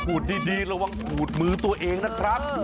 พูดดีระวังขูดมือตัวเองนะครับ